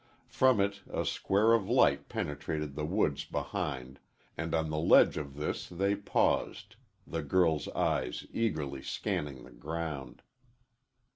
From it a square of light penetrated the woods behind, and on the edge of this they paused the girl's eyes eagerly scanning the ground.